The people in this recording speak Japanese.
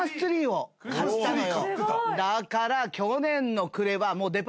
だから。